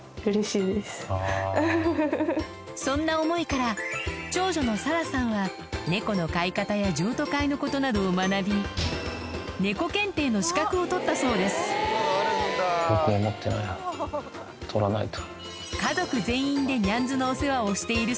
そんな思いから長女の沙那さんは猫の飼い方や譲渡会のことなどを学びねこ検定の資格を取ったそうです取らないと。